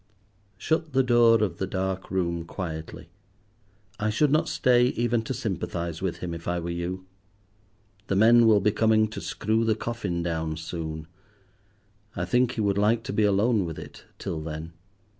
Shut the door of the dark room quietly. I should not stay even to sympathize with him if I were you. The men will be coming to screw the coffin down soon. I think he would like to be alone with it till then.